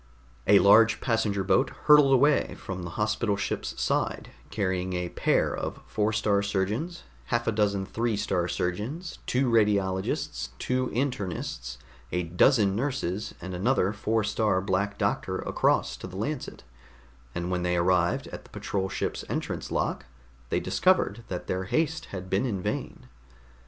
A large passenger boat hurtled away from the hospital ship's side, carrying a pair of Four star surgeons, half a dozen Three star Surgeons, two Radiologists, two Internists, a dozen nurses and another Four star Black Doctor across to the Lancet; and when they arrived at the patrol ship's entrance lock, they discovered that their haste had been in vain.